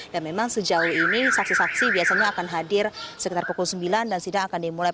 dan memang sejauh ini saksi saksi biasanya akan hadir sekitar pukul sembilan dan sida akan dimulai